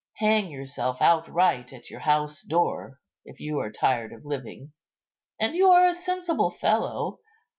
Hang yourself outright at your house door, if you are tired of living—and you are a sensible fellow.